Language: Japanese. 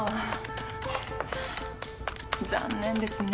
残念ですね。